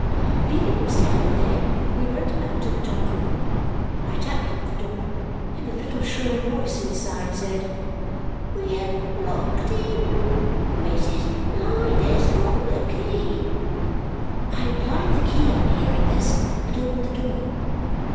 Leaving him standing there, we went up to the top room. I tapped at the door, and a little shrill voice inside said, "We are locked in. Mrs. Blinder's got the key!" I applied the key on hearing this and opened the door.